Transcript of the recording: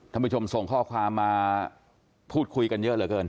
ท่านผู้ชมส่งข้อความมาพูดคุยกันเยอะเหลือเกิน